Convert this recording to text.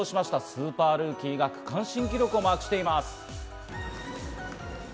スーパールーキーが区間新記録をマークしています。